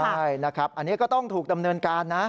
ใช่นะครับอันนี้ก็ต้องถูกดำเนินการนะ